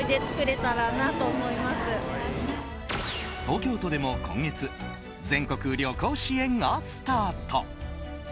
東京都でも今月全国旅行支援がスタート。